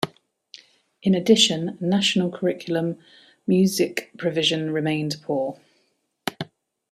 In addition, National Curriculum music provision remained poor.